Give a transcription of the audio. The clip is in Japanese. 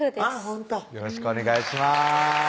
ほんとよろしくお願いします